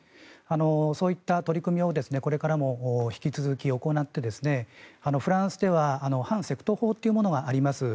そういった取り組みをこれからも引き続き行ってフランスでは反セクト法というものがあります。